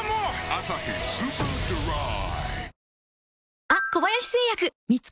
「アサヒスーパードライ」